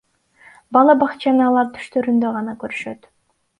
Бала бакчаны алар түштөрүндө гана көрүшөт.